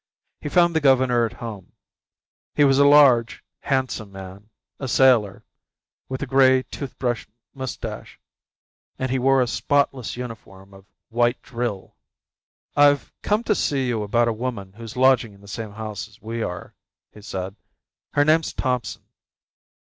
He found the governor at home. He was a large, handsome man, a sailor, with a grey toothbrush moustache; and he wore a spotless uniform of white drill. "I've come to see you about a woman who's lodging in the same house as we are," he said. "Her name's Thompson."